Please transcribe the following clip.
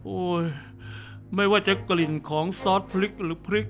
โอ้ยไม่ว่าจะกลิ่นของซอสพริกหรือพริก